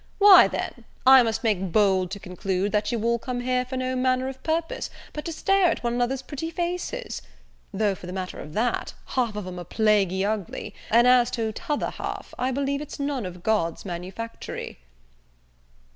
Why, then, I must make bold to conclude, that you all come here for no manner of purpose but to stare at one another's pretty faces: though, for the matter of that, half of 'em are plaguy ugly; and, as to t'other half, I believe it's none of God's manufactory."